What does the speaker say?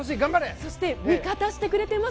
そして味方してくれています